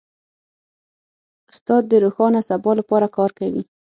استاد د روښانه سبا لپاره کار کوي.